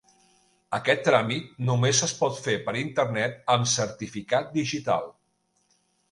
Aquest tràmit només pot fer per internet amb certificat digital.